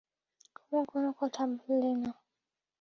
কুমু কোনো কথা বললে না।